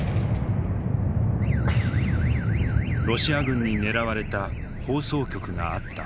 ロシア軍に狙われた放送局があった。